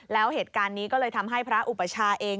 แล้วเหตุการณ์นี้ก็เลยทำให้พระอุปชาเอง